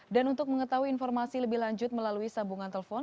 dan untuk mengetahui informasi lebih lanjut melalui sabungan telpon